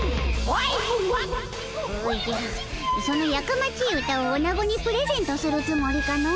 おじゃそのやかまちい歌をおなごにプレゼントするつもりかの？